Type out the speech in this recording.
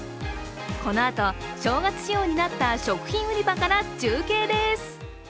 このあと、正月仕様になった食品売り場から中継です。